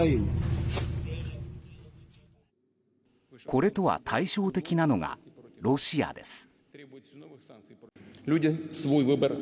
これとは対照的なのがロシアです。